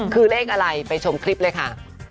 คือเลขอะไรไปชมคลิปเลยค่ะ